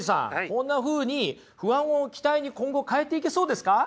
こんなふうに不安を期待に今後変えていけそうですか？